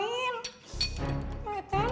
ini gajinya neneknya dipotong